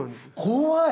怖い。